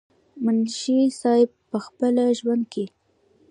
منشي صېب پۀ خپل ژوند کښې